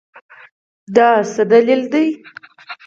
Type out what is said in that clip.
دا څه دلیل دی ؟